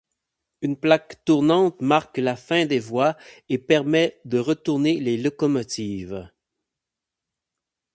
Une plaque tournante marque la fin des voies et permet de retourner les locomotives.